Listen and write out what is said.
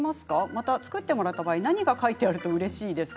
また作ってもらった場合何が書いてあるとうれしいですか？」